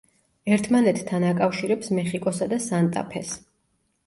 ერთმანეთთან აკავშირებს მეხიკოსა და სანტა-ფეს.